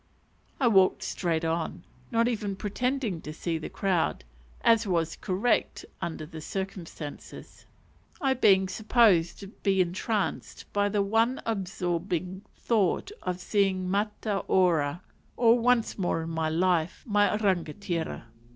I walked straight on, not even pretending to see the crowd: as was "correct" under the circumstances; I being supposed to be entranced by the one absorbing thought of seeing "mataora," or once more in life my rangatira.